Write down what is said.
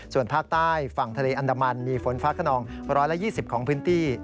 ส่วนภาคใต้ฝั่งทะเลอันดามันมีฝนฟ้าขนอง๑๒๐ของพื้นที่